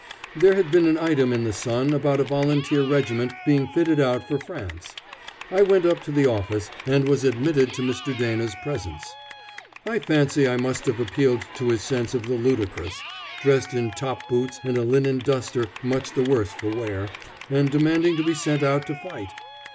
There had been an item in the Sun about a volunteer regiment being fitted out for France. I went up to the office, and was admitted to Mr. Dana's presence. I fancy I must have appealed to his sense of the ludicrous, dressed in top boots and a linen duster much the worse for wear, and demanding to be sent out to fight.